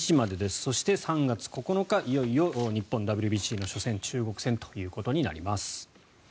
そして、３月９日いよいよ日本、ＷＢＣの初戦中国戦ということになります。